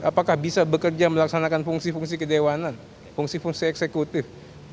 apakah bisa bekerja melaksanakan fungsi fungsi kedewanan fungsi fungsi eksekutif